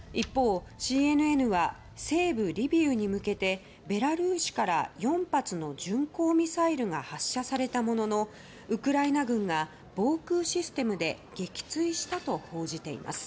一方、ＣＮＮは西部リビウに向けてベラルーシから、４発の巡航ミサイルが発射されたもののウクライナ軍が、防空システムで撃墜したと報じています。